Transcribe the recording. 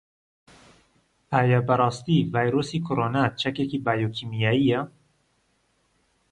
ئایا بەڕاستی ڤایرۆسی کۆرۆنا چەکێکی بایۆکیمیایییە؟